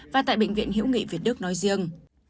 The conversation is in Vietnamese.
và tại bệnh viện hữu nghị việt đức nói riêng